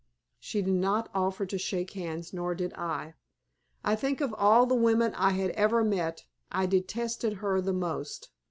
She did not offer to shake hands, nor did I. I think of all the women I had ever met, I detested her the most.